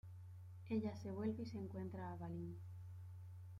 Ella se vuelve y se encuentra a Balin.